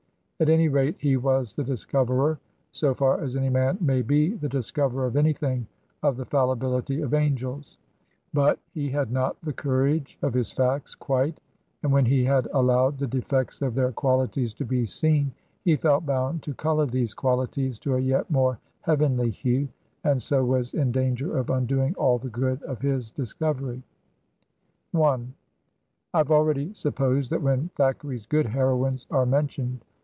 At any rate, he was the dis coverer (so far as any man may be the discoverer of anything) of the fallibility of angels ; but he had not the courage of his facts, quite, and when he had allowed the defects of their qualities to be seen he felt boimd to color these quaUties to a yet more heavenly hue, and so was in danger of undoing all the good of his dis covery. I have already supposed that when Thackeray's good heroines are mentioned.